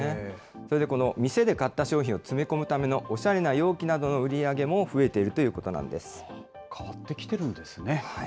それで店で買った商品を詰め込むためのおしゃれな容器などの売り上げも増えているということなん変わってきてるんですね。